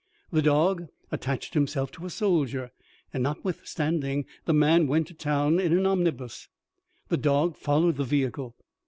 The dog attached himself to a soldier, and notwithstanding the man went to town in an omnibus, the dog followed the vehicle.